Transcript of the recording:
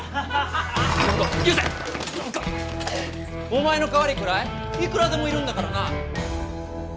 お前の代わりくらいいくらでもいるんだからな！